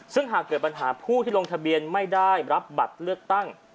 ซึ่งหากเกิดปัญหาผู้ที่ลงทะเบียนไม่ได้รับบัตรเลือกตั้ง